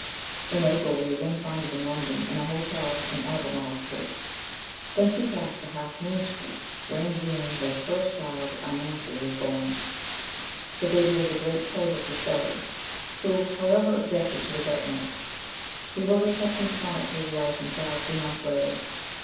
In April we again find him in London, in an hotel in Albemarle Street ; thence he passed to Half Moon 56 MRS. SHELLEY. Street, where in June their first child, lanthe, was born. The baby was a great pleasure to Shelley, who, however, objected to the wet nurse. He wrote a touching sonnet to his wife and child three months later.